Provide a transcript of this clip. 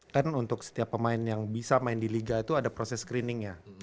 kan untuk setiap pemain yang bisa main di liga itu ada proses screeningnya